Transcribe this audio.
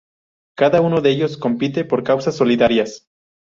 Cada uno de ellos compite por causas solidarias.